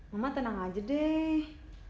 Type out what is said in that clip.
mama tenang aja deh